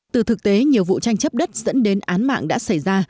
từ thực tế nhiều vụ tranh chấp đất dẫn đến án mạng đã xảy ra